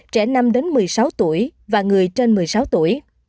trẻ năm một mươi sáu tuổi và người trên một mươi sáu tuổi